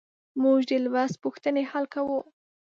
موږ د لوست پوښتنې حل کوو.